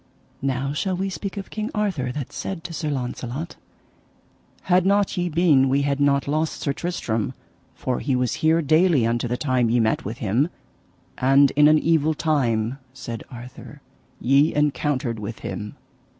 Now shall we speak of King Arthur, that said to Sir Launcelot: Had not ye been we had not lost Sir Tristram, for he was here daily unto the time ye met with him, and in an evil time, said Arthur, ye encountered with him.